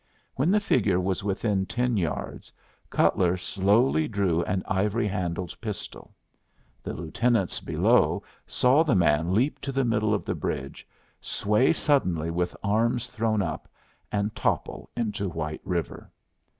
When the figure was within ten yards Cutler slowly drew an ivory handled pistol. The lieutenants below saw the man leap to the middle of the bridge, sway suddenly with arms thrown up, and topple into White River.